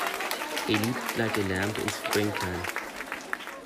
He leaped like a lamb in springtime.